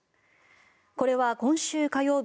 これは今週火曜日